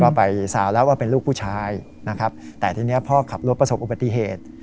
ก็ไปซาวแล้วว่าเป็นลูกผู้ชายนะครับแต่ทีนี้พ่อขับรถประสบอุบัติเหตุ